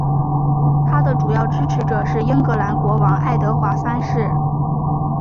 他的主要支持者是英格兰国王爱德华三世。